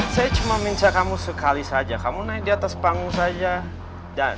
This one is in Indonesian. saya cuma minta kamu sekali saja kamu naik di atas panggung saja